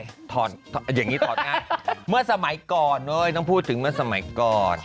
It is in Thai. อย่างนี้ถอดง่ายเมื่อสมัยก่อนต้องพูดถึงเมื่อสมัยก่อน